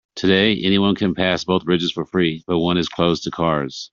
Today, anyone can pass both bridges for free, but one is closed to cars.